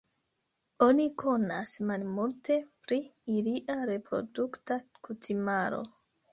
Oni konas malmulte pri ilia reprodukta kutimaro.